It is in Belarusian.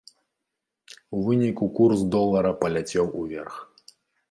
У выніку курс долара паляцеў уверх.